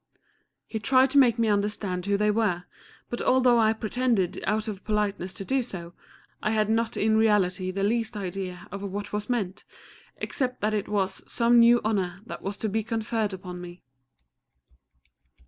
He tried to make me understand who they were, but although I pretended out of politeness to do so, I had not in reality the least idea of what was meant, except that it was some new honour that was to be conferred upon me.